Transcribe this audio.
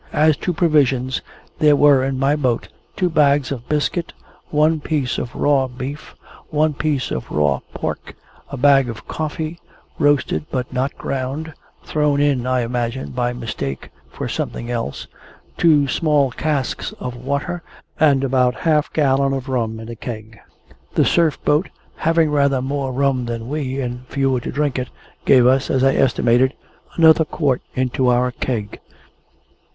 As to provisions, there were in my boat two bags of biscuit, one piece of raw beef, one piece of raw pork, a bag of coffee, roasted but not ground (thrown in, I imagine, by mistake, for something else), two small casks of water, and about half a gallon of rum in a keg. The Surf boat, having rather more rum than we, and fewer to drink it, gave us, as I estimated, another quart into our keg.